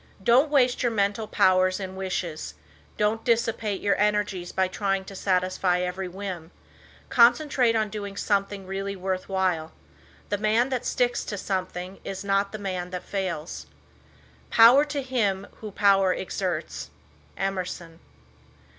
Don't waste your mental powers in wishes. Don't dissipate your energies by trying to satisfy every whim. Concentrate on doing something really worth while. The man that sticks to something is not the man that fails. "Power to him who power exerts." Emerson.